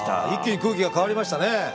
一気に空気が変わりましたね。